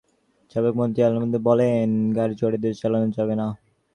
সাবেক মন্ত্রী অলি আহমদ বলেন, গায়ের জোরে দেশ চালানো যাবে না।